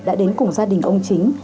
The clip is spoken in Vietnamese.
đã đến cùng gia đình ông chính